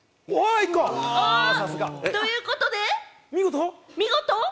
１個！ということで見事。